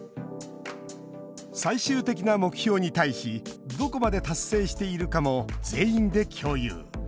最終的な目標に対しどこまで達成しているかも全員で共有。